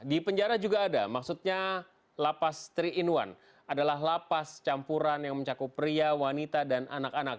di penjara juga ada maksudnya lapas tiga in satu adalah lapas campuran yang mencakup pria wanita dan anak anak